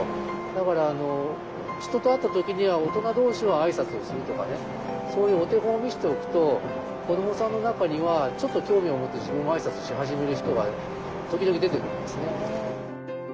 だから人と会った時には大人同士はあいさつをするとかそういうお手本を見せておくと子どもさんの中にはちょっと興味を持って自分もあいさつし始める人が時々出てくるんですね。